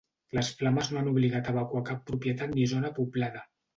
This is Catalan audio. Les flames no han obligat a evacuar cap propietat ni zona poblada.